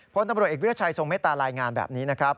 พลตำรวจเอกวิทยาชัยทรงเมตตารายงานแบบนี้นะครับ